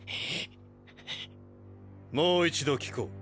もう一度訊こう。